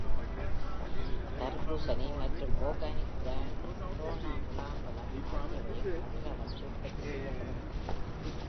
தர்பூசணி மற்றும் Akaniku -brand "Furano முலாம்பழம்" ஆகியவையும் அதிக அளவில் உற்பத்தி செய்யப்படுகின்றது.